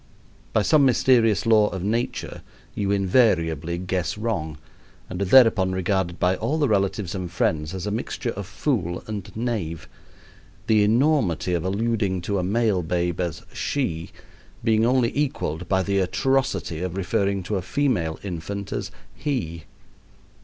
By some mysterious law of nature you invariably guess wrong, and are thereupon regarded by all the relatives and friends as a mixture of fool and knave, the enormity of alluding to a male babe as "she" being only equaled by the atrocity of referring to a female infant as "he".